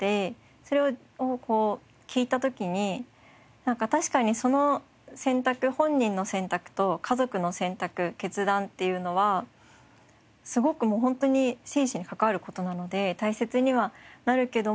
それを聞いた時になんか確かにその選択本人の選択と家族の選択決断っていうのはすごくもう本当に生死に関わる事なので大切にはなるけども。